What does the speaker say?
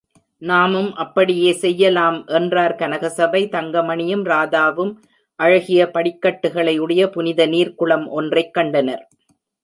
நாமும் அப்படியே செய்யலாம் என்றார் கனகசபை, தங்கமணியும், ராதாவும் அழகிய படிக்கட்டுகளை உடைய புனித நீர்க்குளம் ஒன்றைக் கண்டனர்.